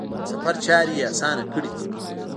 د سفر چارې یې اسانه کړي دي.